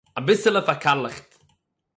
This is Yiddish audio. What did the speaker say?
אַביסעלע פאַרקאַלכט